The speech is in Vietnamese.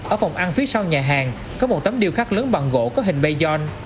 ở phòng ăn phía sau nhà hàng có một tấm điêu khắc lớn bằng gỗ có hình bayon